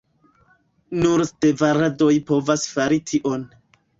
Nur stevardoj povas fari tion.